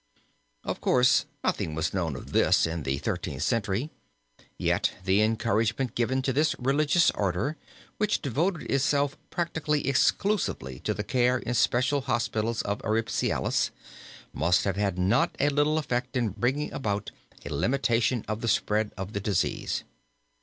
Of course nothing was known of this in the Thirteenth Century, yet the encouragement given to this religious order, which devoted itself practically exclusively to the care in special hospitals of erysipelas, must have had not a little effect in bringing about a limitation of the spread of the disease.